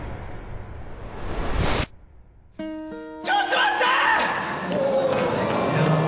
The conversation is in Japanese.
ちょっと待った！